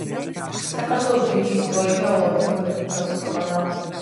საქართველო დიდი ისტორიით და ულამაზესი ბუნებით სავსე ქვეყანაა.